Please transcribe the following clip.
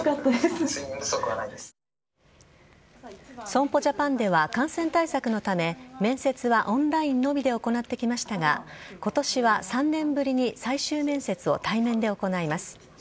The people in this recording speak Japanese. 損保ジャパンでは感染対策のため面接はオンラインのみで行ってきましたが今年は３年ぶりに最終面接を対面で行います。